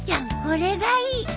これがいい。